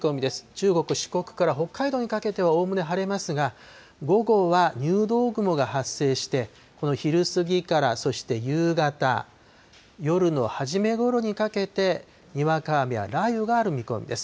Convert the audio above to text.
中国、四国から北海道にかけてはおおむね晴れますが、午後は入道雲が発生して、この昼過ぎからそして夕方、夜の初めごろにかけて、にわか雨や雷雨がある見込みです。